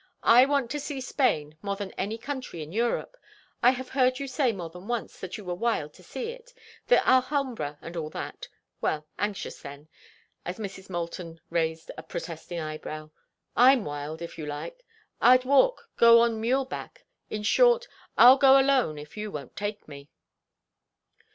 I want to see Spain more than any country in Europe. I have heard you say more than once that you were wild to see it—the Alhambra and all that—well, anxious, then," as Mrs. Moulton raised a protesting eyebrow. "I'm wild, if you like. I'd walk, go on mule back; in short, I'll go alone if you won't take me."